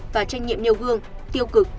và tranh nhiệm nêu gương tiêu cực